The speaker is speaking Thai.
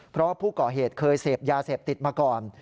เพราะผู้ก่อเหตุเคยเสพยาเสพติดมาก่อน